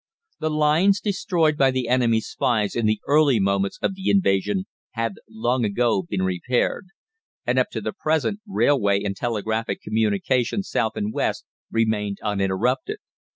The lines destroyed by the enemy's spies in the early moments of the invasion had long ago been repaired, and up to the present railway and telegraphic communication south and west remained uninterrupted.